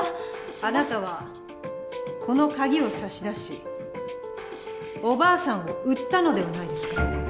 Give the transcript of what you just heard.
あなたはこのカギを差し出しおばあさんを売ったのではないですか？